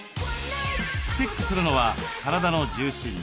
チェックするのは体の重心。